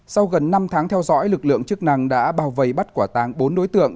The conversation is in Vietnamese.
sau gần năm tháng theo dõi lực lượng chức năng đã bao vây bắt quả tàng bốn đối tượng